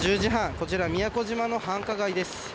こちら、宮古島の繁華街です。